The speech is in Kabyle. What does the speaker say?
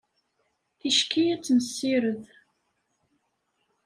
Ticki ad tt-nessired.